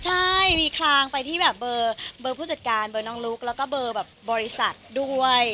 ใช่มีคลางไปที่แบบเบอร์ผู้จัดการเบอร์น้องลุ๊กแล้วก็เบอร์แบบบริษัทด้วย